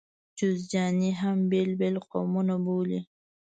جوزجاني هم بېل بېل قومونه بولي.